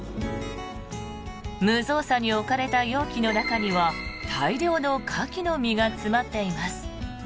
無造作に置かれた容器の中には大量のカキの身が詰まっています。